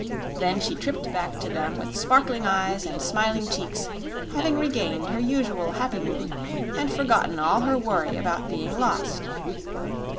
Then she tripped back to them with sparkling eyes and smiling cheeks, having regained her usual happy mood and forgotten all her worry about being lost.